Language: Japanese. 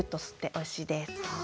おいしいですか？